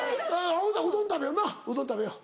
ほんだらうどん食べようなうどん食べよう。